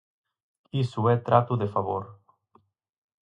Iso é trato de favor.